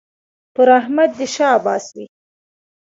پر احمد دې شاباس وي